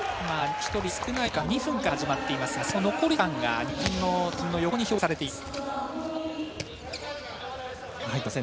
１人少ない時間帯２分から始まっていますがその残り時間が日本の得点の横に表示されています。